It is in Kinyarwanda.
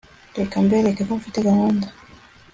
reka mbereke ko mfite gahunda